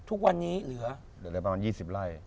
อยู่ที่หน้าประมาณ๒๐ไร่